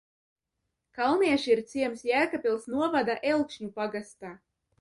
Kalnieši ir ciems Jēkabpils novada Elkšņu pagastā.